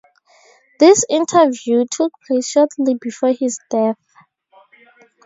This interview took place shortly before his death.